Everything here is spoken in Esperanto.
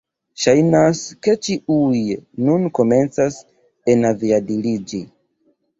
Ŝajnas, ke ĉiuj nun komencas enaviadiliĝi